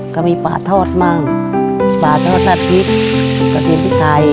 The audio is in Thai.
ก็มีปลาท็อตมังปลาท็อตทัศน์พริกกระเทียมพีชไทย